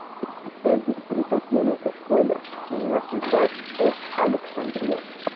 El distrito tiene escuelas en la Ciudad de Alexandria.